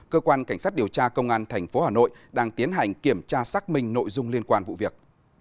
cơ quan cảnh sát điều tra công an tp hà nội đang tiến hành kiểm tra xác minh nội dung liên quan vụ việc